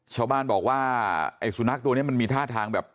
ชาวบ้านบอกว่าไอ้สุนัขตัวนี้มันมีท่าทางแบบ